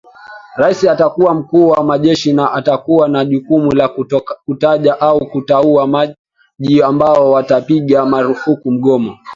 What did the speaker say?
Rais atakuwa mkuu wa majeshi na atakuwa na jukumu la kutaja au kuteua majaji ambao watapiga marufuku mgomo